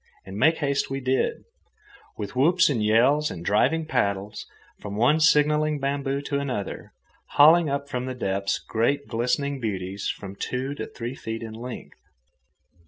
And make haste we did, with whoops and yells and driving paddles, from one signalling bamboo to another, hauling up from the depths great glistening beauties from two to three feet in length.